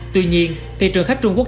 tuy nhiên thị trường khách trung quốc